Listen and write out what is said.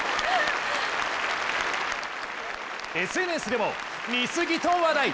ＳＮＳでも似過ぎと話題。